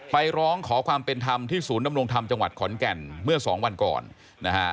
ร้องขอความเป็นธรรมที่ศูนย์ดำรงธรรมจังหวัดขอนแก่นเมื่อสองวันก่อนนะฮะ